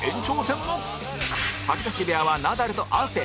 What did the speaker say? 吐き出し部屋はナダルと亜生